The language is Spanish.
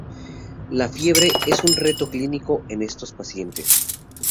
La fiebre es un reto clínico en estos pacientes.